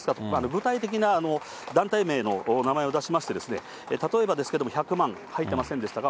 具体的な団体名の名前を出しまして、例えばですけれども、１００万入ってませんでしたか？